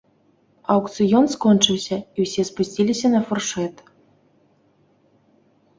Аўкцыён скончыўся, і ўсе спусціліся на фуршэт.